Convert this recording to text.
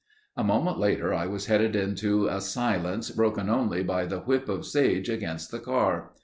A moment later I was headed into a silence broken only by the whip of sage against the car.